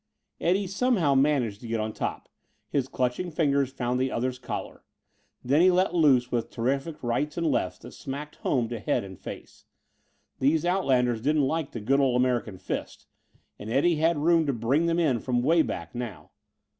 Eddie somehow managed to get on top; his clutching fingers found the other's collar. Then he let loose with terrific rights and lefts that smacked home to head and face. Those outlanders don't like the good old American fist, and Eddie had room to bring them in from way back, now.